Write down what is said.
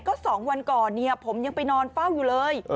ก็๒วันก่อนเนี่ยผมยังไปนอนเฝ้าอยู่เลย